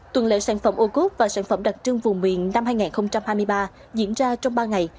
tuần lệ sản phẩm ô cốt và sản phẩm đặc trưng vùng miền năm hai nghìn hai mươi ba diễn ra trong ba ngày